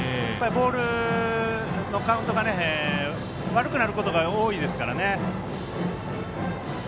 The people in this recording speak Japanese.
ボールのカウントが悪くなることが多いですからね。